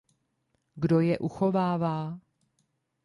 Kdo je uchovává?